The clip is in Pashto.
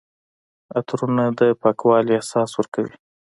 عطرونه د پاکوالي احساس ورکوي.